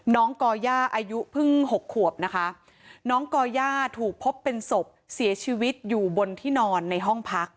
ก่อย่าอายุเพิ่งหกขวบนะคะน้องก่อย่าถูกพบเป็นศพเสียชีวิตอยู่บนที่นอนในห้องพัก